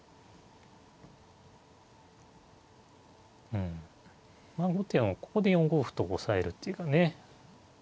うんまあ後手もここで４五歩と押さえるっていうかね。